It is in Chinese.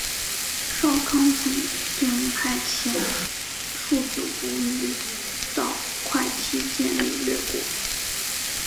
少康曾经派遣庶子无余到会稽建立越国。